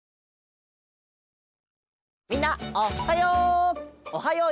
みんなおっはよう！